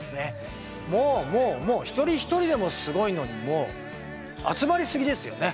もうもうもう、一人一人でもすごいのに集まりすぎですよね。